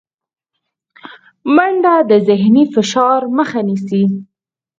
منډه د ذهني فشار مخه نیسي